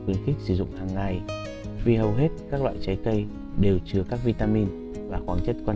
khuyến khích sử dụng hàng ngày vì hầu hết các loại trái cây đều chứa các vitamin và khoáng chất có